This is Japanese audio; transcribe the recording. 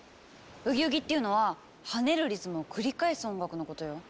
「ブギウギ」っていうのは跳ねるリズムを繰り返す音楽のことよ。